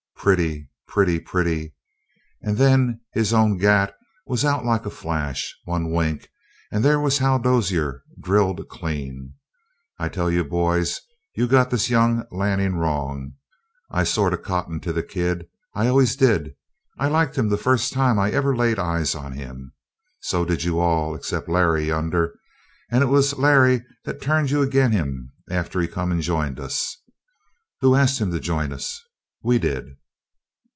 Pretty, pretty, pretty! And then his own gat was out like a flash one wink, and there was Hal Dozier drilled clean! I tell you, boys, you got this young Lanning wrong. I sort of cotton to the kid. I always did. I liked him the first time I ever laid eyes on him. So did you all, except Larry, yonder. And it was Larry that turned you agin' him after he come and joined us. Who asked him to join us? We did!"